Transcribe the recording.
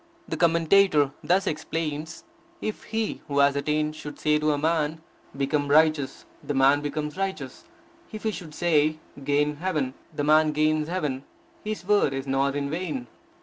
The commentator thus explains: If he who has attained should say to a man, Become righteous! the man becomes righteous. If he should say, Gain heaven! the man gains heaven. His word is not in vain.